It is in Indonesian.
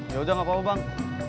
yaudah gak apa apa bang